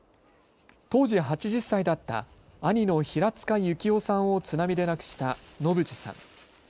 当時８０歳だった兄の平塚幸男さんを津波で亡くした信次さん。